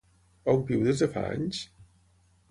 On viu des de fa anys?